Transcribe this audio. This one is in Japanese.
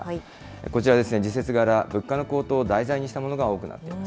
こちらですね、時節柄、物価の高騰を題材にしたものが多くなっています。